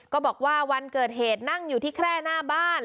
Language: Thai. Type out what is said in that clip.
บอกว่าวันเกิดเหตุนั่งอยู่ที่แคร่หน้าบ้าน